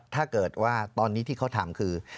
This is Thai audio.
ถ้าเกิดว่าตอนนี้ที่เขาทำคือ